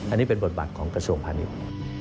อันนี้เป็นบทบัตรของกระทรวงพัฒนิจ